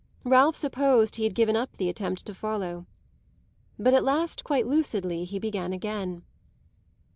Ralph supposed he had given up the attempt to follow. But at last, quite lucidly, he began again.